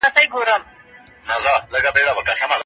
په پوهنتونونو کې د څېړنې اصول مراعتېږي.